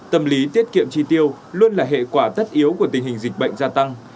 tâm lý tiết kiệm chi tiêu luôn là hệ quả tất yếu của tình hình dịch bệnh gia tăng